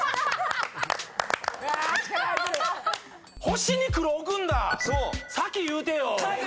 星に黒置くんだ⁉先言うてよ。